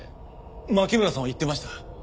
牧村さんは言っていました。